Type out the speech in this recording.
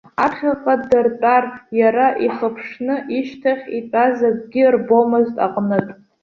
Аԥхьаҟа ддыртәар, иара ихыԥшны ишьҭахь итәаз акгьы рбомызт аҟнытә.